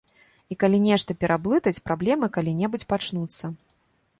І калі нешта пераблытаць, праблемы калі-небудзь пачнуцца.